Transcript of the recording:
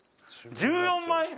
「１４万円」